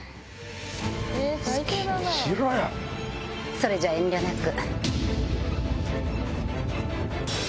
それじゃあ遠慮なく。